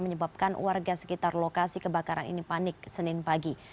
menyebabkan warga sekitar lokasi kebakaran ini panik senin pagi